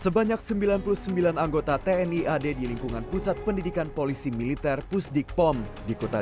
sebanyak sembilan puluh sembilan anggota tni ad di lingkungan pusat pendidikan polisi militer pusdik pom di kota